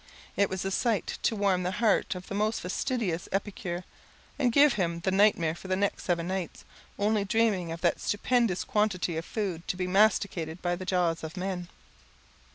It was a sight to warm the heart of the most fastidious epicure, and give him the nightmare for the next seven nights, only dreaming of that stupendous quantity of food to be masticated by the jaws of man.